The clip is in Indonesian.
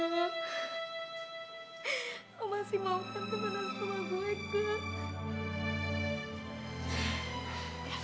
kau masih mau kan kemana sama gue kak